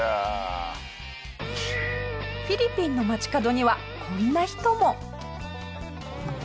フィリピンの町角にはこんな人も。